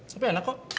tapi enak kok